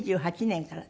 ２８年から？